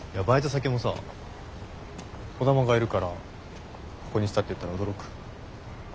バイト先もさ兒玉がいるからここにしたって言ったら驚く？